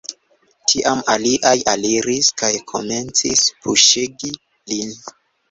Tiam aliaj aliris kaj komencis puŝegi lin.